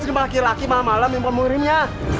di rumah laki laki malam malam minta muridnya